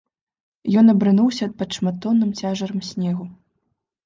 Ён абрынуўся пад шматтонным цяжарам снегу.